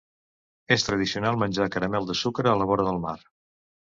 És tradicional menjar caramel de sucre a la vora del mar